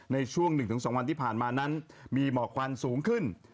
ในช่วง๑๒วันที่ผ่านมานั้นมีหมอกควันสูงขึ้น